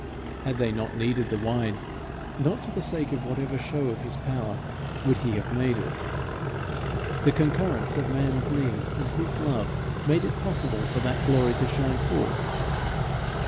Had they not needed the wine, not for the sake of whatever show of his power would he have made it. The concurrence of man's need and his love made it possible for that glory to shine forth.